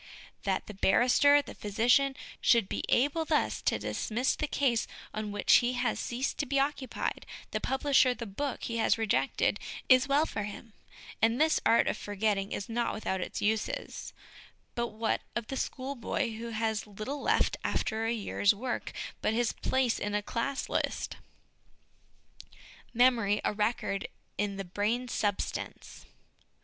That the barrister, the physician, should be able thus to dismiss the case on which he has ceased to be occupied, the publisher the book he has rejected, is well for him, and this art of for getting is not without its uses : but what of the schoolboy who has little left after a year's work but his place in a class list? Memory a Record in the Brain Substance.